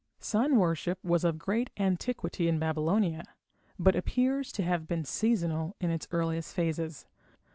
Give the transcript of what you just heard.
Sun worship was of great antiquity in Babylonia, but appears to have been seasonal in its earliest phases.